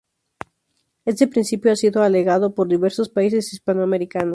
Este principio ha sido alegado por diversos países hispanoamericanos.